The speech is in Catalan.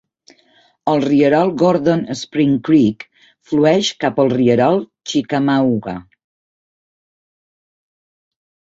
El rierol Gordon Spring Creek flueix cap al rierol Chickamauga.